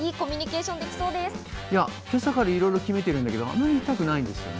今朝からいろいろ決めてるんだけど、あまり言いたくないですね。